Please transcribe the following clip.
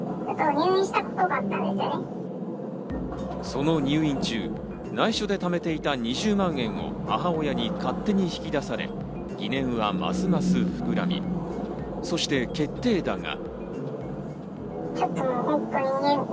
その入院中、内緒で貯めていた２０万円を母親に勝手に引き出され、疑念はますます膨らみ、そして決定打が。